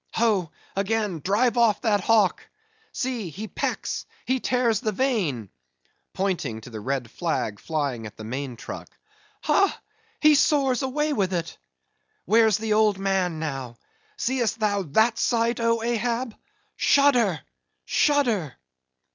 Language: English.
—Ho! again!—drive off that hawk! see! he pecks—he tears the vane"—pointing to the red flag flying at the main truck—"Ha! he soars away with it!—Where's the old man now? see'st thou that sight, oh Ahab!—shudder, shudder!"